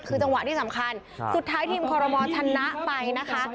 คือจังหวะที่สำคัญสุดท้ายทีมคอรมอลชนะไปนะคะ